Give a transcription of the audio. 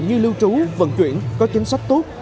như lưu trú vận chuyển có chính sách tốt